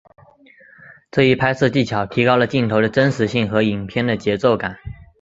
这一拍摄技巧提高了镜头的真实性和影片的节奏感。